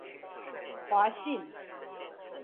華信